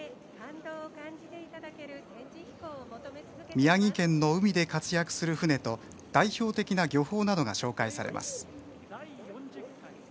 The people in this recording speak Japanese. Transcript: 宮城県の海で活躍する船と代表的な漁法などが紹介されます。